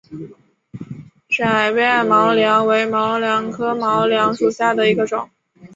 窄瓣毛茛为毛茛科毛茛属下的一个种。